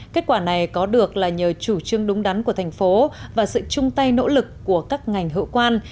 kết quả này có được là nhờ chủ trương đúng đắn của thành phố và sự chung tay nỗ lực của các ngành hữu quan